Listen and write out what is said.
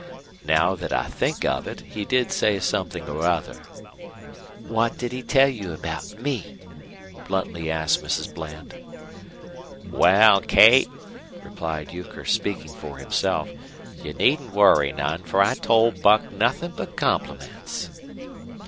"Now that I think of it, he did say something or other." "What did he tell you about me?" bluntly asked Mrs. Bland. "Wal, Kate," replied Euchre, speaking for himself, "you needn't worry none, for I told Buck nothin' but compliments."